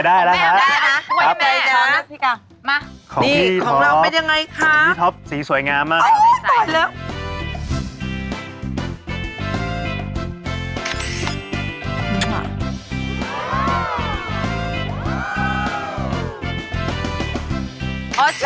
ได้นะครับโอเคได้คุณแม่ละมานี่ของเราเป็นยังไงค่ะของพี่ทอบสีสวยงามมากโอ้ดอจแล้ว